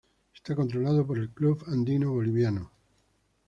Está controlado por el Club Andino Boliviano.